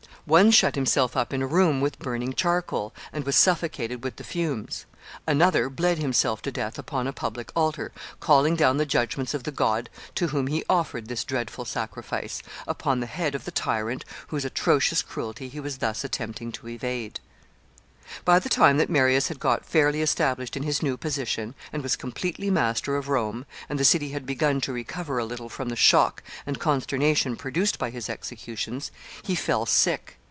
One shut himself up in a room with burning charcoal, and was suffocated with the fumes. Another bled himself to death upon a public altar, calling down the judgments of the god to whom he offered this dreadful sacrifice, upon the head of the tyrant whose atrocious cruelty he was thus attempting to evade. [Sidenote: Illness of Marius.] [Sidenote: Sylla outlawed.] By the time that Marius had got fairly established in his new position, and was completely master of Rome, and the city had begun to recover a little from the shock and consternation produced by his executions, he fell sick.